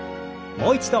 もう一度。